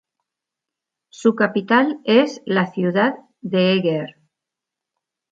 Su capital es la ciudad de Eger.